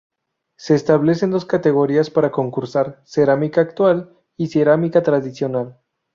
Se establecen dos categorías para concursar: "Cerámica Actual" y "Cerámica Tradicional".